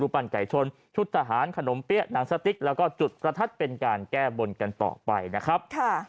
ปั้นไก่ชนชุดทหารขนมเปี๊ยะหนังสติ๊กแล้วก็จุดประทัดเป็นการแก้บนกันต่อไปนะครับ